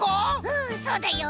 うんそうだよ。